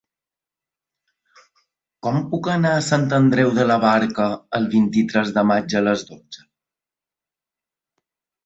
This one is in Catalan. Com puc anar a Sant Andreu de la Barca el vint-i-tres de maig a les dotze?